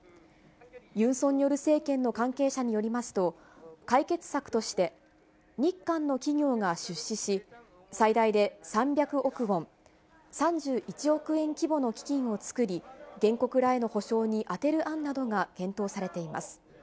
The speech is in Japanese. ユン・ソンニョル政権の関係者によりますと、解決策として、日韓の企業が出資し、最大で３００億ウォン、３１億円規模の基金を作り、原告らへの補償に充てる案などが検討されています。